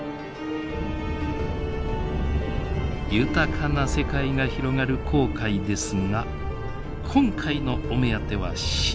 豊かな世界が広がる紅海ですが今回のお目当ては深海。